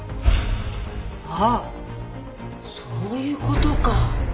あっそういう事か。